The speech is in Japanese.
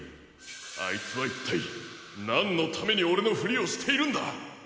あいつはいったいなんのためにオレのフリをしているんだ？